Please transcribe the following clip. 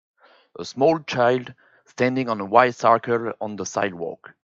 A small child standing on a white circle on a sidewalk.